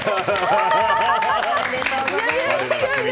おめでとうございます。